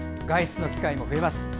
外出の機会も増えます。